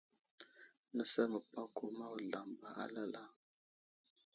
Nəsər məpako ma wuzlam ba alala.